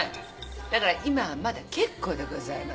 だから今はまだ結構でございます。